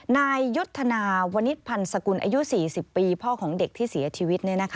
นายยุทธนาวนิษฐพันธ์สกุลอายุ๔๐ปีพ่อของเด็กที่เสียชีวิต